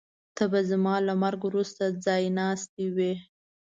ته به زما له مرګ وروسته ځایناستی وې.